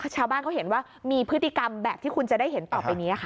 ชาวบ้านเขาเห็นว่ามีพฤติกรรมแบบที่คุณจะได้เห็นต่อไปนี้ค่ะ